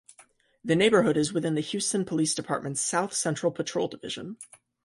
The neighborhood is within the Houston Police Department's South Central Patrol Division.